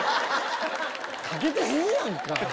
かけてへんやんか。